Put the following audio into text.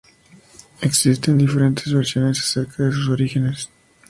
Existen diferentes versiones acerca de sus orígenes.